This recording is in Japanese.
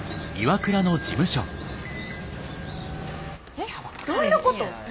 えっどういうこと？